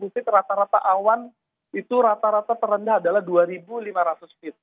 feed rata rata awan itu rata rata terendah adalah dua lima ratus feet